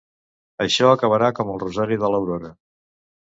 Això acabarà com el rosari de l'Aurora!